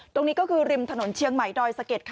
ตรงนี้ก็คือริมถนนเชียงใหม่ดอยสะเก็ดค่ะ